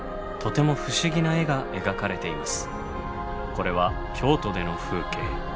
これは京都での風景。